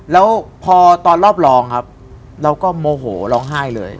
แล้วพอตอนรอบรองครับเราก็โมโหร้องไห้เลย